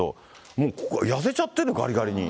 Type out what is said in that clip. もう痩せちゃってるの、がりがりに。